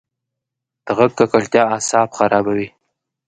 د غږ ککړتیا اعصاب خرابوي.